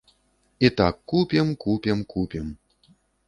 І так купім, купім, купім.